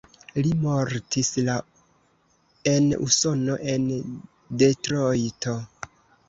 Li mortis la en Usono en Detrojto.